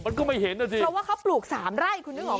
เพราะว่าเขาปลูก๓ไร่คุณนึกออกไหม